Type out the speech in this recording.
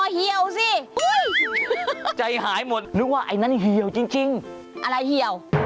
หอยจ้ะหอยจ้ะหอยจ้ะหอย